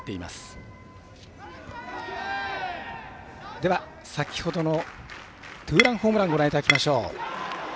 では先ほどのツーランホームランご覧いただきましょう。